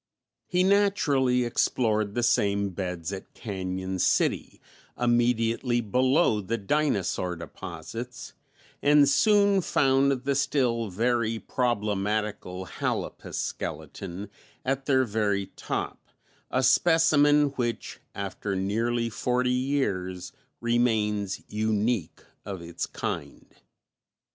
He naturally explored the same beds at Cañon City, immediately below the dinosaur deposits, and soon found the still very problematical Hallopus skeleton, at their very top, a specimen which after nearly forty years remains unique of its kind.